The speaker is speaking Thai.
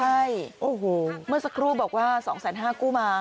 ใช่เมื่อสักครู่บอกว่า๒๕๐๐๐๐กู้มา